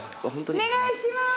お願いします。